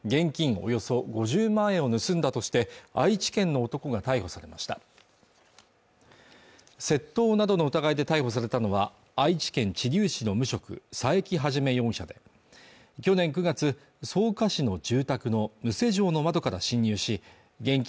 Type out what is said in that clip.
およそ５０万円を盗んだとして愛知県の男が逮捕されました窃盗などの疑いで逮捕されたのは愛知県知立市の無職佐伯一容疑者で去年９月草加市の住宅の無施錠の窓から侵入し現金